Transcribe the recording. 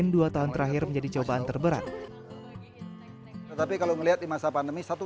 dua tahun terakhir menjadi cobaan terberat tetapi kalau melihat di masa pandemi satu